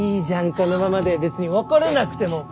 このままで別に別れなくても。